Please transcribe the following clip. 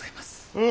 うん。